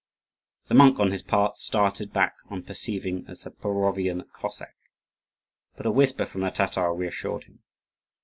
The monk, on his part, started back on perceiving a Zaporovian Cossack, but a whisper from the Tatar reassured him.